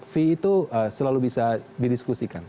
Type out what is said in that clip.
fee itu selalu bisa didiskusikan